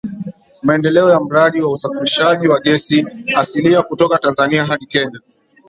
Maendeleo ya mradi wa usafirishaji wa gesi asilia kutoka Tanzania hadi Kenya